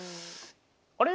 あれ？